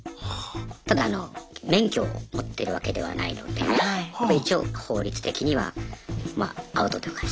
ただあの免許を持ってるわけではないので一応法律的にはまあアウトというか。